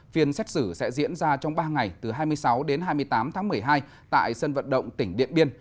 phiên xét xử sẽ diễn ra trong ba ngày từ hai mươi sáu đến hai mươi tám tháng một mươi hai tại sân vận động tỉnh điện biên